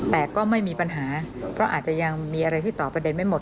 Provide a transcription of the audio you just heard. แต่ก็ไม่มีปัญหาเพราะอาจจะยังมีอะไรที่ตอบประเด็นไม่หมด